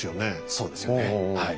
そうですよねはい。